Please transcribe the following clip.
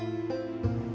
belum ada penyerangan lagi